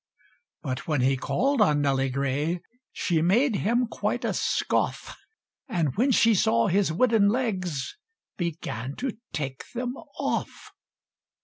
But when he called on Nelly Gray, She made him quite a scoff; And when she saw his wooden legs, Began to take them off!